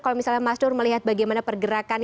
kalau misalnya mas nur melihat bagaimana pergerakan